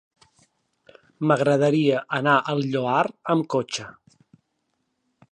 M'agradaria anar al Lloar amb cotxe.